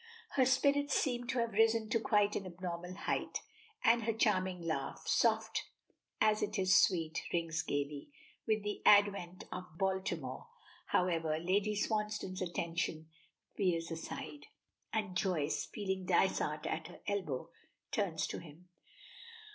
Her spirits seem to have risen to quite an abnormal height, and her charming laugh, soft as it is sweet, rings gaily. With the advent of Baltimore, however, Lady Swansdown's attention veers aside, and Joyce, feeling Dysart at her elbow, turns to him.